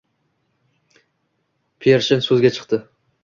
Pershin soʻzga chiqdi: